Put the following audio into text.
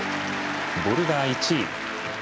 ボルダー１位。